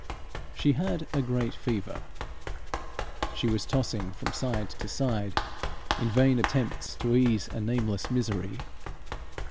She had "a great fever." She was tossing from side to side in vain attempts to ease a nameless misery.